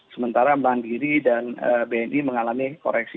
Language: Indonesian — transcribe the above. sementara bank diri dan bni mengalami koreksi